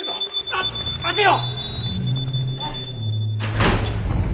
あっ待てよ！